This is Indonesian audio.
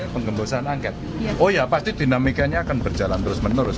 penggembosan angket oh ya pasti dinamikanya akan berjalan terus menerus